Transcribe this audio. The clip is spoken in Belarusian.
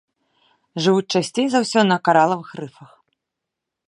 Жывуць часцей за ўсё на каралавых рыфах.